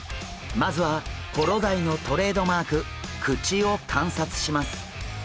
まずはコロダイのトレードマーク口を観察します。